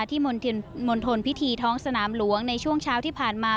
มณฑลพิธีท้องสนามหลวงในช่วงเช้าที่ผ่านมา